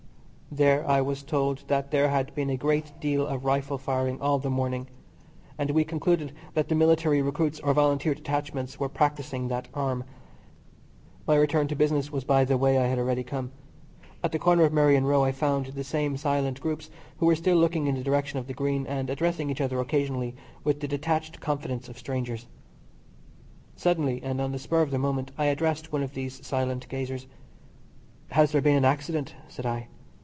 There I was told that there had been a great deal of rifle firing all the morning, and we concluded that the Military recruits or Volunteer detachments were practising that arm. My return to business was by the way I had already come. At the corner of Merrion Row I found the same silent groups, who were still looking in the direction of the Green, and addressing each other occasionally with the detached confidence of strangers. Suddenly, and on the spur of the moment, I addressed one of these silent gazers. "Has there been an accident?" said I.